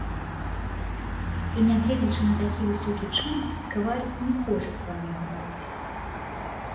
І нягледзячы на такі высокі чын каваль не хоча з вамі гаварыць.